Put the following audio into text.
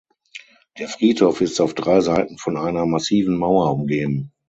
Der Friedhof ist auf drei Seiten von einer massiven Mauer umgeben.